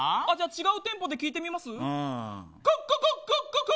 違う店舗で聞いてみます。